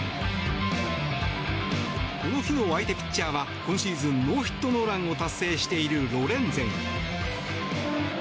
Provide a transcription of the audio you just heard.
この日の相手ピッチャーは今シーズンノーヒットノーランを達成しているロレンゼン。